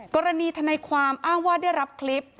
ทนายความอ้างว่าได้รับคลิป